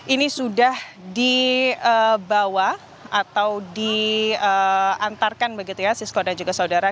ini sudah dibawa atau diantarkan begitu ya siswa dan juga saudara